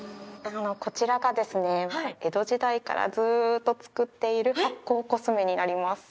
こちらがですね江戸時代からずっと作っている発酵コスメになります